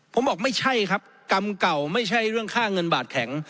ผมบอกไม่ใช่ครับกรรมเก่าไม่ใช่เรื่องค่าเงินบาทแข็ง